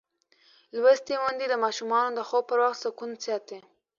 لوستې میندې د ماشومانو د خوب پر وخت سکون ساتي.